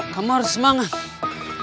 kamu harus semangat